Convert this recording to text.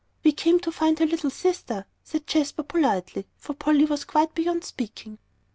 "We came to find her little sister," said Jasper, politely, for Polly was quite beyond speaking.